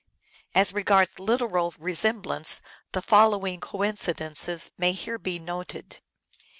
As regards literal resemblance the following coincidences may here be noted.